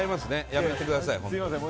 やめてください。